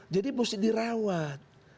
jadi mesti dirawat